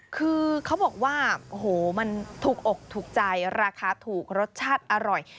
คือเขาบอกว่าโอ้โหมันถูกอกถูกใจราคาถูกรสชาติอร่อย